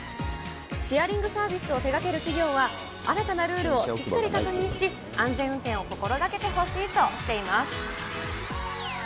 シェアリングサービスを手がける企業は、新たなルールをしっかり確認し、安全運転を心がけてほしいとしています。